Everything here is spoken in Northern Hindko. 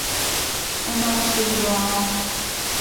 انہاں اسطے بھی دعاواں۔